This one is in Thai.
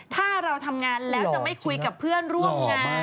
ถ้าเราทำงานแล้วจะไม่คุยกับเพื่อนร่วมงาน